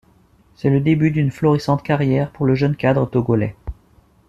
C’est le début d’une florissante carrière pour le jeune cadre togolais.